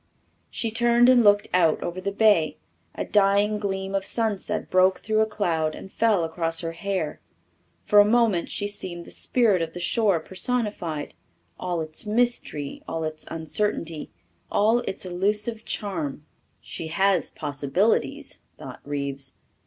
She turned and looked out over the bay. A dying gleam of sunset broke through a cloud and fell across her hair. For a moment she seemed the spirit of the shore personified all its mystery, all its uncertainty, all its elusive charm. She has possibilities, thought Reeves.